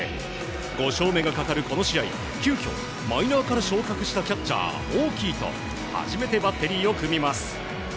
５勝目がかかるこの試合急きょ、マイナーから昇格したキャッチャーオーキーと初めてバッテリーを組みます。